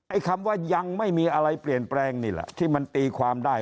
คำว่ายังไม่มีอะไรเปลี่ยนแปลงนี่แหละที่มันตีความได้